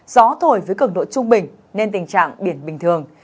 gió thổi với cứng độ trung bình nên tình trạng biển bình thường